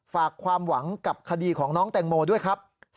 ฝากความหวังกับคดีของน้องแตงโมด้วยครับ